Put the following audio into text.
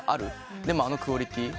でもあのクオリティー。